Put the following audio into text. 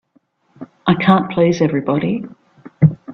I can't please everybody.